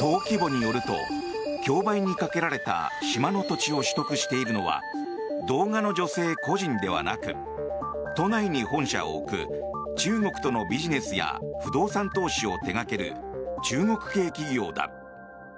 登記簿によると競売にかけられた島の土地を取得しているのは動画の女性個人ではなく都内に本社を置く中国とのビジネスや不動産投資を手掛ける中国系企業だ。